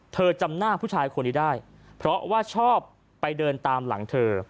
จำหน้าผู้ชายคนนี้ได้เพราะว่าชอบไปเดินตามหลังเธอ